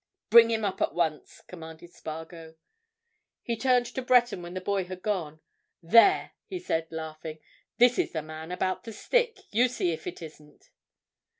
"Bring him up at once!" commanded Spargo. He turned to Breton when the boy had gone. "There!" he said, laughing. "This is the man about the stick—you see if it isn't."